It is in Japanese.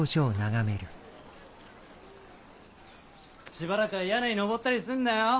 しばらくは屋根に登ったりすんなよ。